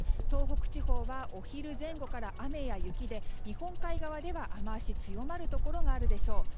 東北地方はお昼前後から雨や雪で日本海側では雨脚が強まるところがあるでしょう。